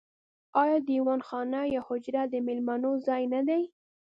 آیا دیوان خانه یا حجره د میلمنو ځای نه دی؟